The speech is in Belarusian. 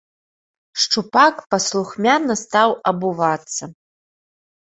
Шчупак паслухмяна стаў абувацца.